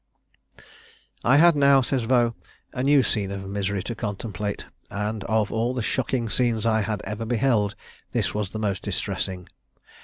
"I had now," says Vaux, "a new scene of misery to contemplate; and, of all the shocking scenes I had ever beheld, this was the most distressing.